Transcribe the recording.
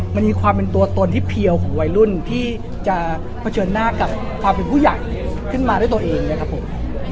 มันมีความเป็นตัวตนที่เพียวของวัยรุ่นที่จะเผชิญหน้ากับความเป็นผู้ใหญ่ขึ้นมาด้วยตัวเองนะครับผม